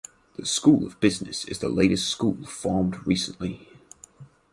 The School of Business is the latest school formed recently.